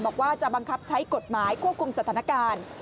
บอกว่าจะบังคับใช้กฎหมายควบคุมสถานการณ์